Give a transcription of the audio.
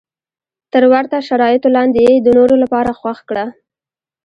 تر ورته شرایطو لاندې یې د نورو لپاره خوښ کړه.